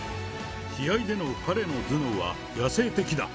試合での彼の頭脳は野性的だ。